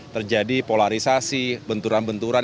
terjadi polarisasi benturan benturan